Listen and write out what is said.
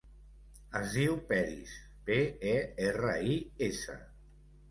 Es diu Peris: pe, e, erra, i, essa.